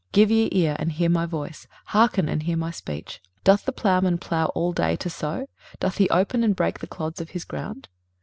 23:028:023 Give ye ear, and hear my voice; hearken, and hear my speech. 23:028:024 Doth the plowman plow all day to sow? doth he open and break the clods of his ground?